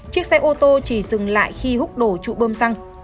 chiếc xe ô tô chỉ dừng lại khi hút đổ trụ bơm xăng